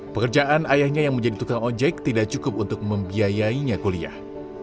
pekerjaan ayahnya yang menjadi tukang ojek tidak cukup untuk membiayainya kuliah